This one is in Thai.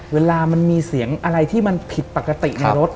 เวลามันมีเสียงอะไรที่มันผิดปกติในรถ